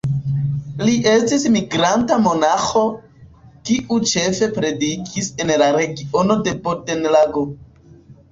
Li estis migranta monaĥo, kiu ĉefe predikis en la regiono de Bodenlago.